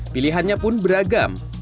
pilihannya pun beragam